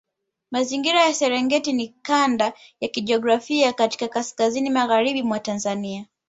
Mazingira ya Serengeti ni kanda ya kijiografia katika kaskazini magharibi mwa Tanzania